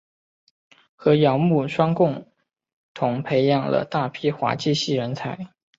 和姚慕双共同培育了大批滑稽戏人才。